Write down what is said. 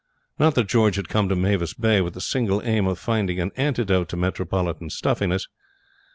Not that George had come to Marvis Bay with the single aim of finding an antidote to metropolitan stuffiness.